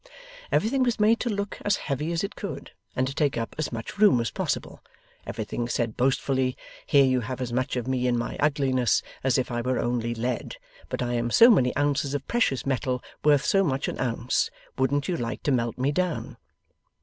Everything was made to look as heavy as it could, and to take up as much room as possible. Everything said boastfully, 'Here you have as much of me in my ugliness as if I were only lead; but I am so many ounces of precious metal worth so much an ounce; wouldn't you like to melt me down?